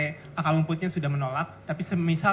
pakalumputnya sudah menolak tapi semisal